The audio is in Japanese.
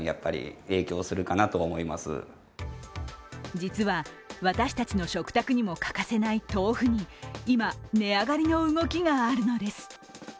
実は、私たちの食卓にも欠かせない豆腐に今、値上がりの動きがあるのです。